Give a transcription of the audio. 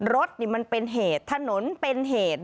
รถนี่มันเป็นเหตุถนนเป็นเหตุ